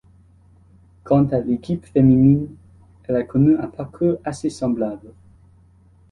Quant à l'équipe féminine, elle a connu un parcours assez semblable.